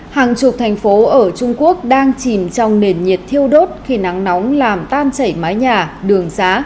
hàng chục thành phố ở trung quốc đang chìm trong nền nhiệt thiêu đốt khi nắng nóng làm tan chảy mái nhà đường xá